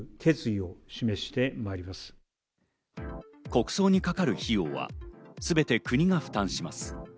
国葬にかかる費用は、すべて国が負担します。